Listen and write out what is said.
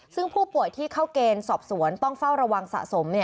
ซึ่งผู้ป่วยที่เข้าเกณฑ์สอบสวนต้องเฝ้าระวังสะสม